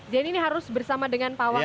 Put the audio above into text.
jadi ini harus bersama dengan pawang pawangnya ya